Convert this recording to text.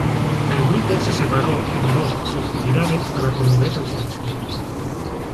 El grupo se separó en dos sub-unidades para promover el sencillo.